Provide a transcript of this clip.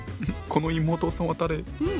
この妹さんは誰？